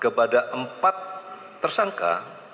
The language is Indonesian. kepada empat tersangka